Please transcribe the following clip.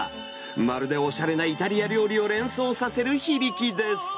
まるでおしゃれなイタリア料理を連想させる響きです。